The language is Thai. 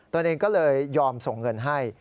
ตัวเองก็เลยยอมส่งเงินให้